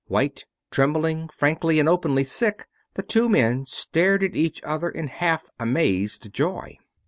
White, trembling, frankly and openly sick, the two men stared at each other in half amazed joy.